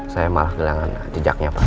saya malah kehilangan jejaknya pak